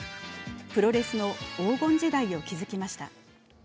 プロレスの黄金時代を築きました。